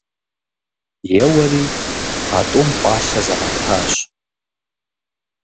Еуэри а тӀум пӀалъэ зэрэтащ.